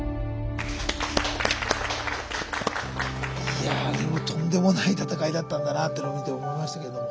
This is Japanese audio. いやでもとんでもない闘いだったんだなってのを見て思いましたけれども。